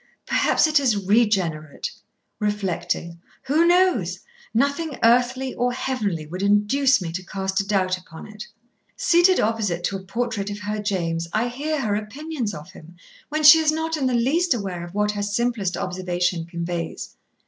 "Perhaps it is regenerate," reflecting. "Who knows! Nothing earthly, or heavenly, would induce me to cast a doubt upon it. Seated opposite to a portrait of her James, I hear her opinions of him, when she is not in the least aware of what her simplest observation conveys.